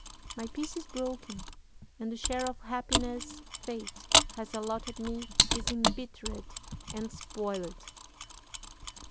My peace is broken, and the share of happiness fate has allotted me is embittered and spoiled."